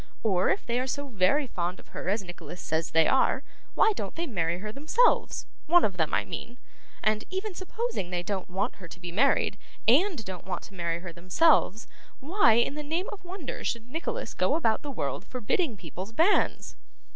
Or, if they are so very fond of her as Nicholas says they are, why don't they marry her themselves one of them I mean? And even supposing they don't want her to be married, and don't want to marry her themselves, why in the name of wonder should Nicholas go about the world, forbidding people's banns?